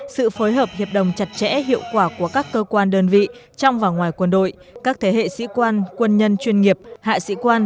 sự phối hợp hiệp đồng chặt chẽ hiệu quả của các cơ quan đơn vị trong và ngoài quân đội các thế hệ sĩ quan quân nhân chuyên nghiệp hạ sĩ quan